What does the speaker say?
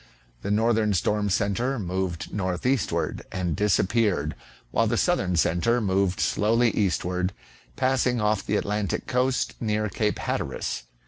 The northern storm centre moved northeastward and disap peared, while the southern centre moved slowly eastward, passing off the Atlantic coast near Cape Hatteras.